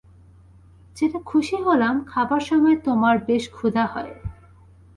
জেনে খুশী হলাম খাবার সময় তোমার বেশ ক্ষুধা হয়।